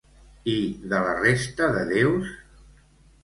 I de la resta de déus?